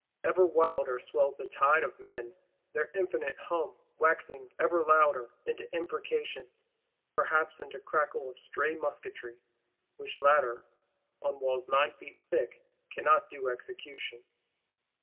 Ever wilder swells the tide of men; their infinite hum waxing ever louder, into imprecations, perhaps into crackle of stray musketry,—which latter, on walls nine feet thick, cannot do execution.